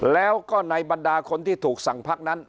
แล้วก็ในบรรดาคนที่ถูกสั่งพักนั้น